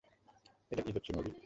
এটা কী হচ্ছে মবি।